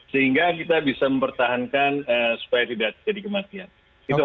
sehingga kita bisa mempertahankan supaya tidak jadi kematian